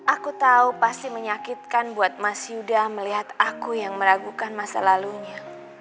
aku tahu pasti menyakitkan buat mas yuda melihat aku yang meragukan masa lalunya